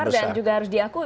dan juga harus diakui